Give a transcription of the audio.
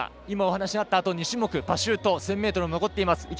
今、お話になった２種目パシュート、１０００ｍ残っています。